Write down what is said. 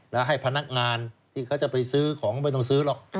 แล้วให้พนักงานที่เขาจะไปซื้อของไม่ต้องซื้อหรอก